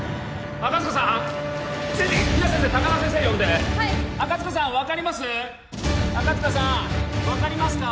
赤塚さん分かりますか？